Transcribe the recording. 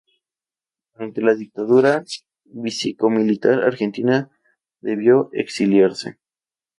Durante la dictadura cívico-militar argentina debió exiliarse.